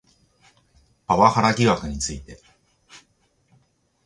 パワハラ疑惑について